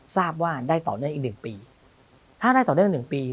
ทราบว่าได้ต่อเนื่องอีก๑ปีถ้าได้ต่อเนื่องอีก๑ปี